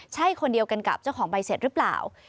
ใช่คนเดียวกันกับเจ้าของใบเสร็จหรือเปล่า